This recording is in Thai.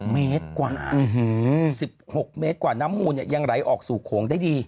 เมตรกว่า๑๖เมตรกว่าน้ำมูลยังไหลออกสู่โขงได้ดี